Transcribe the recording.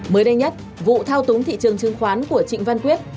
mới đây nhất vụ thao túng thị trường chứng khoán của trịnh văn quyết